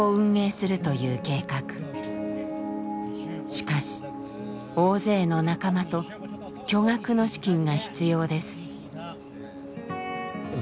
しかし大勢の仲間と巨額の資金が必要です。